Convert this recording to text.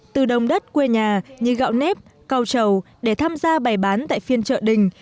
từ đông đất quê nhà như gạo nếp cầu trầu để tham gia bày bán tại phiên chợ đình